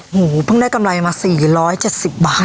เห้อพึ่งได้กำไรมา๔๗๐บาท